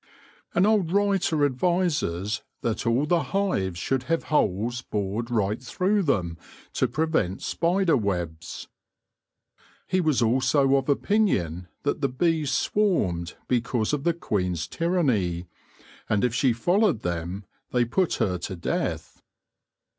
' An old writer advises that all the hives should have holes bored right through them to prevent spider webs. He was also of opinion that the bees BEE KASTERS IN THE MIDDLE AGES 29 swarmed because of the queen's tyranny, and if she followed them, they put her to death.